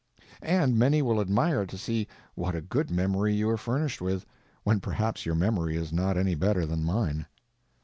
And many will admire to see what a good memory you are furnished with, when perhaps your memory is not any better than mine.